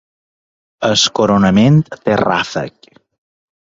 El coronament té ràfec.